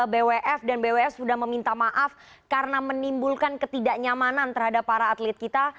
bwf dan bwf sudah meminta maaf karena menimbulkan ketidaknyamanan terhadap para atlet kita